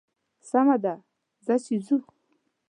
سمه ده ځه چې ځو.